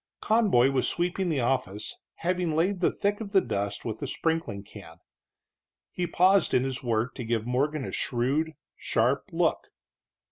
Conboy was sweeping the office, having laid the thick of the dust with a sprinkling can. He paused in his work to give Morgan a shrewd, sharp look.